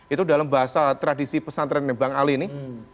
itu dalam bahasa tradisi pesantren bang ali ini